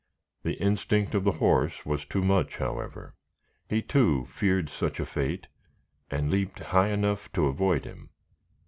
The instinct of the horse was too much, however; he, too, feared such a fate, and leaped high enough to avoid him.